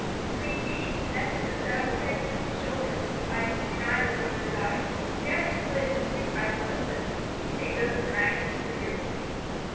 Between feedings the nestling would settle his head between his shoulders, and slide his thin eyelids over his eyes. He never slid his thick eyelids over. He saved those for night, when he would really sleep.